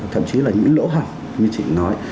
thậm chí là những lỗ hổng như chị nói